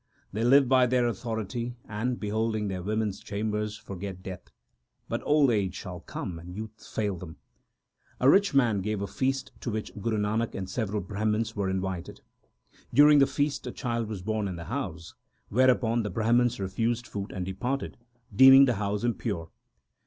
They live by their authority, and, beholding their women s chambers, forget death ; But old age shall come and youth fail them. A rich man gave a feast to which Guru Nanak and several Brahmans were invited. During the feast a child was born in the house, whereupon the Brahmans refused food and departed, deeming the house impure.